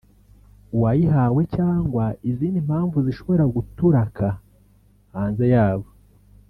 uwayihawe cyangwa izindi mpamvu zishobora guturaka hanze yabo